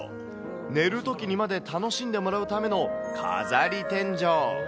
寝るときにまで楽しんでもらうための飾り天井。